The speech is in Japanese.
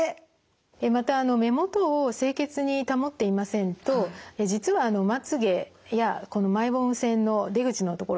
また目元を清潔に保っていませんと実はまつげやこのマイボーム腺の出口の所ですね